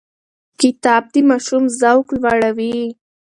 کتاب د ماشوم ذوق لوړوي.